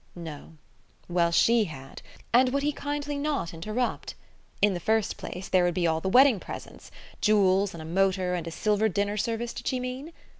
No. Well, she had; and would he kindly not interrupt? In the first place, there would be all the wedding presents. Jewels, and a motor, and a silver dinner service, did she mean?